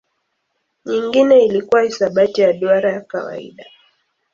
Nyingine ilikuwa hisabati ya duara ya kawaida.